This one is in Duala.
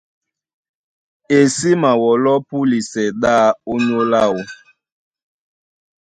E sí mawɔlɔ́ púlisɛ ɗá ónyólá áō.